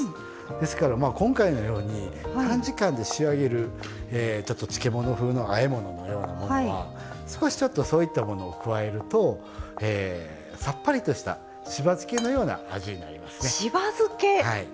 ですから、今回のように短時間で仕上げる漬物風のあえ物のようなものは少し、そういったものを加えるとさっぱりとした柴漬のような味になります。